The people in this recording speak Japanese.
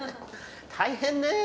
大変ね！